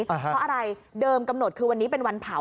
เพราะอะไรเดิมกำหนดคือวันนี้เป็นวันเผา